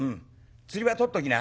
釣りは取っときな。